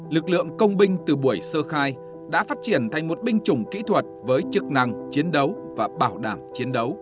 lực lượng công binh từ buổi sơ khai đã phát triển thành một binh chủng kỹ thuật với chức năng chiến đấu và bảo đảm chiến đấu